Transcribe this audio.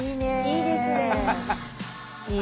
いいですね。